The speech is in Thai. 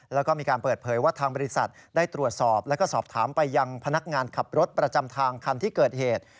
แล้วก็มีการเปิดเผยว่าทางบริษัทได้ตรวจสอบแล้วก็สอบถามไปยังพนักงานขับรถประจำทางคันที่เกิดเหตุ